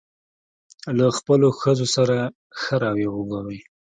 له خپلو ښځو سره ښه راویه وکوئ.